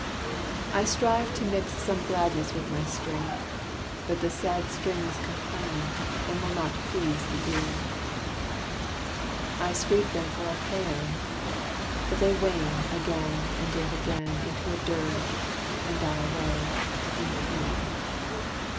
I strive to mix some gladness with my strain, But the sad strings complain, And will not please the ear: I sweep them for a pæan, but they wane Again and yet again Into a dirge, and die away, in pain.